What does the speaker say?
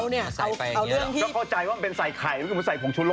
ได้ไปเที่ยวกับพี่เมียวมาหรอ